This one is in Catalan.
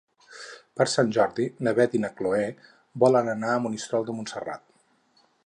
Per Sant Jordi na Beth i na Chloé volen anar a Monistrol de Montserrat.